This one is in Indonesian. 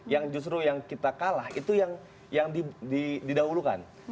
yang justru yang kita kalah itu yang didahulukan